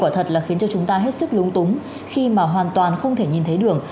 đèn pha thì quả thật là khiến cho chúng ta hết sức lúng túng khi mà hoàn toàn không thể nhìn thấy đường